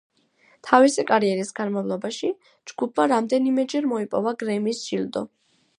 თავისი კარიერის განმავლობაში, ჯგუფმა რამდენიმეჯერ მოიპოვა გრემის ჯილდო.